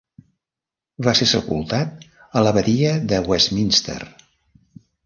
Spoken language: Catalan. Va ser sepultat a l'abadia de Westminster.